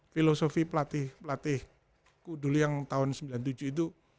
filosofi pelatih pelatih dulu yang tahun sembilan puluh tujuh itu